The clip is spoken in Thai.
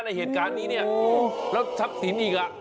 ในเหตุการณ์นี้แล้วทับสินอีก